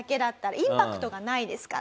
インパクトがないですから。